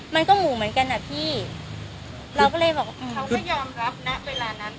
มันก็หมู่เหมือนกันอ่ะพี่เราก็เลยบอกเขาก็ยอมรับนะเวลานั้น